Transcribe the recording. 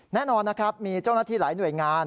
แน่นอนนะครับมีเจ้าหน้าที่หลายหน่วยงาน